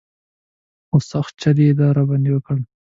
خو سخت چل یې را باندې وکړ.